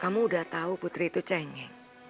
kamu udah tahu putri itu cengeng